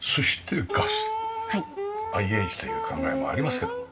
ＩＨという考えもありますけど。